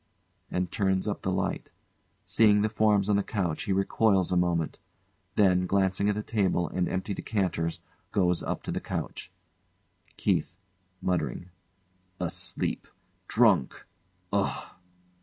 and turns up the light. Seeing the forms on the couch, he recoils a moment. Then, glancing at the table and empty decanters, goes up to the couch. KEITH. [Muttering] Asleep! Drunk! Ugh!